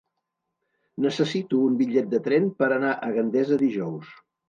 Necessito un bitllet de tren per anar a Gandesa dijous.